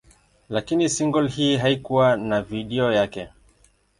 Lakini single hii haikuwa na video yake.